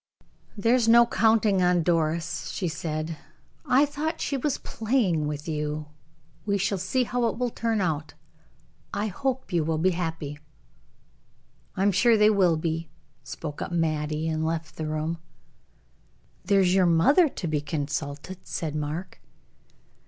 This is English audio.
"There's no counting on Doris," she said. "I thought she was playing with you. We shall see how it will turn out. I hope you will be happy." "I am sure they will," spoke up Mattie, and left the room. "There's your mother to be consulted," said Mark.